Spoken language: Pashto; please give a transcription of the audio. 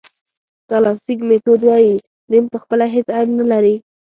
کلاسیک میتود وایي دین پخپله هېڅ عیب نه لري.